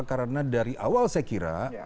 karena dari awal saya kira